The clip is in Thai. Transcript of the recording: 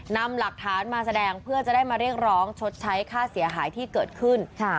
นำหลักฐานมาแสดงเพื่อจะได้มาเรียกร้องชดใช้ค่าเสียหายที่เกิดขึ้น